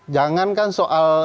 jangan kan soal